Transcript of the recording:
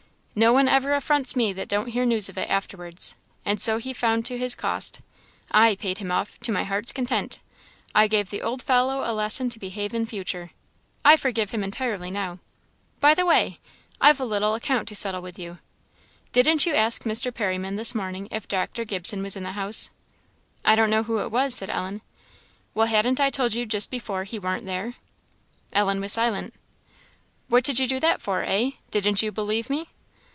"No one ever affronts me that don't hear news of it afterwards, and so he found to his cost. I paid him off, to my heart's content. I gave the old fellow a lesson to behave in future. I forgive him now entirely. By the way, I've a little account to settle with you didn't you ask Mr. Perriman this morning if Dr. Gibson was in the house?" "I don't know who it was," said Ellen. "Well, hadn't I told you just before he warn't there?" Ellen was silent. "What did you do that for, eh? Didn't you believe me?"